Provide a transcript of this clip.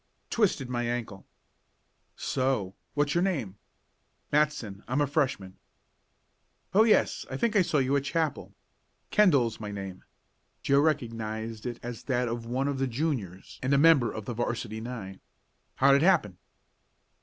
"Twisted my ankle." "So? What's your name?" "Matson I'm a Freshman." "Oh, yes. I think I saw you at Chapel. Kendall's my name." Joe recognized it as that of one of the Juniors and a member of the 'varsity nine. "How'd it happen?"